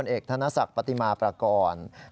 นายยกรัฐมนตรีพบกับทัพนักกีฬาที่กลับมาจากโอลิมปิก๒๐๑๖